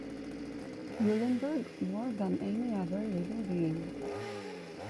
Eulenburg more than any other living being.